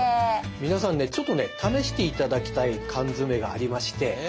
皆さんねちょっとね試していただきたい缶詰がありまして。